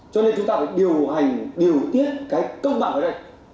cho nên chúng ta phải điều hành điều tiết cái công bằng ở đây